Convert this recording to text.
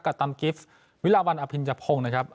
กับตำกิฟต์วิลาวันอพิญญาโพงนะครับ